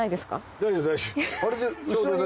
大丈夫。